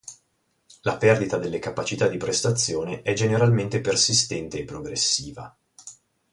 La perdita delle capacità di prestazione è generalmente persistente e progressiva.